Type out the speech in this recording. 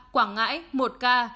quảng ngãi một ca